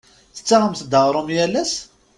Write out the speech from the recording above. Tettaɣemt-d aɣrum yal ass?